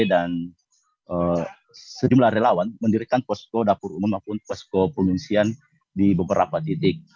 dan sejumlah relawan mendirikan posko dapur umum maupun posko pelunsian di beberapa titik